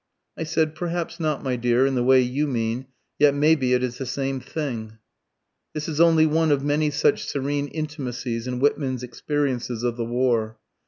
I said 'Perhaps not, my dear, in the way you mean, yet maybe, it is the same thing.'" This is only one of many such serene intimacies in Whitman's experiences of the war.